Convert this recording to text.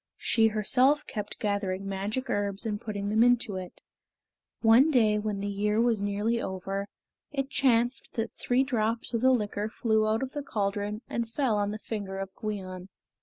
She herself kept gathering magic herbs and putting them into it. One day when the year was nearly over, it chanced that three drops of the liquor flew out of the caldron and fell on the finger of Gwion.